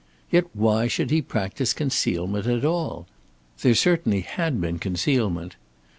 Yet why should he practise concealment at all? There certainly had been concealment.